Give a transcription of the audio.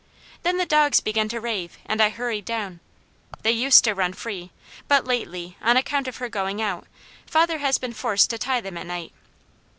Then the dogs began to rave, and I hurried down. They used to run free, but lately, on account of her going out, father has been forced to tie them at night.